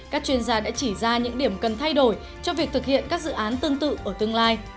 các chuyên gia đã chỉ ra những điểm cần thay đổi cho việc thực hiện các dự án tương tự ở tương lai